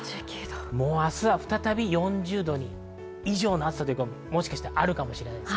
明日は再び４０度以上の暑さ、もしかしたらあるかもしれません。